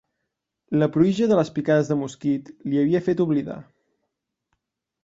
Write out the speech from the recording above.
La pruïja de les picades de mosquit l'hi havia fet oblidar.